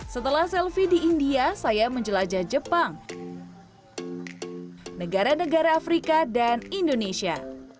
setelah selfie di india saya menjelajah jepang negara negara afrika dan indonesia